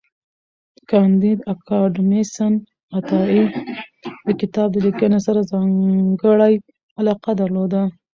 کانديد اکاډميسن عطایي د کتاب لیکنې سره ځانګړی علاقه درلوده.